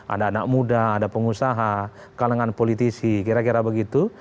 ada anak muda ada pengusaha kalangan politisi kira kira begitu